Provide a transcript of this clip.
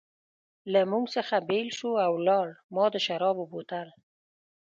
له موږ څخه بېل شو او ولاړ، ما د شرابو بوتل.